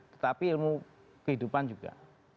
tetapi ilmu kehidupan juga